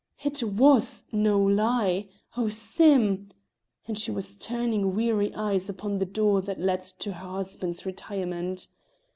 "It was no lie. Oh, Sim!" (And still she was turning wary eyes upon the door that led to her husband's retirement.)